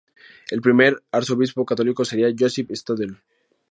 El primer arzobispo católico sería Josip Stadler.